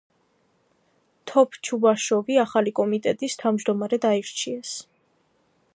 თოფჩუბაშოვი ახალი კომიტეტის თავმჯდომარედ აირჩიეს.